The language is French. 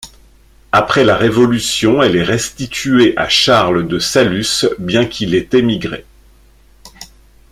Après la Révolution elle est restituée à Charles de Saluces bien qu'il ait émigré.